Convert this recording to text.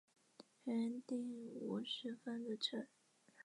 原订五十分的车